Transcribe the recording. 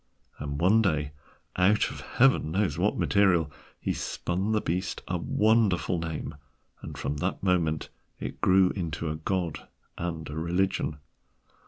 And one day, out of Heaven knows what material, he spun the beast a wonderful name, and from that moment it grew into a god and a religion.